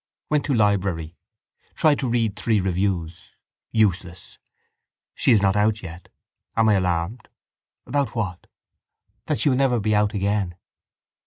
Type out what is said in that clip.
Went to library. Tried to read three reviews. Useless. She is not out yet. Am I alarmed? About what? That she will never be out again.